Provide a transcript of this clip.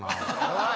おい！